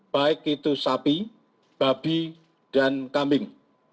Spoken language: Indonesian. baik itu sapi babi dan kambing